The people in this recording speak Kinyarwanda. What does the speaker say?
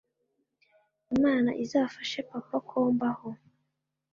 Imana izafashe papa ko mbaho